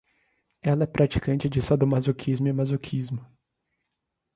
Ela é praticante de sadomasoquismo e masoquismo